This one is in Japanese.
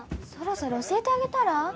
そろそろ教えてあげたら？